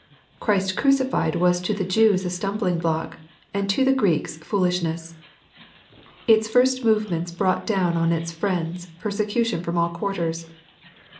Christ crucified was to the Jews a stumbling block, and to the Greeks foolishness. — Its first movements brought down on its friends persecution from all quarters.